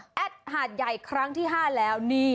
จากหาดใหญ่ครั้งที่ห้าแล้ว